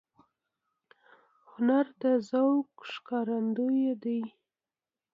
هنر د ذوق ښکارندوی دی